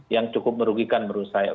yang cukup merugikan menurut saya